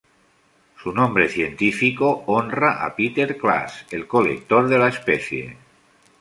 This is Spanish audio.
Su nombre científico honra a Peter Klaas, el colector de la especie.